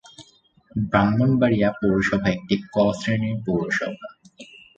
ব্রাহ্মণবাড়িয়া পৌরসভা একটি 'ক' শ্রেণীর পৌরসভা।